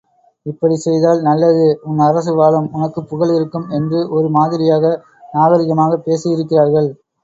இப்படி செய்தால் நல்லது உன் அரசு வாழும் உனக்குப் புகழ் இருக்கும் என்று ஒரு மாதிரியாக நாகரிகமாகப் பேசியிருக்கிறார்கள்.